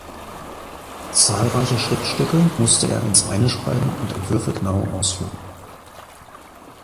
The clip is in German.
Zahlreiche Schriftstücke musste er ins Reine schreiben und Entwürfe genau ausführen.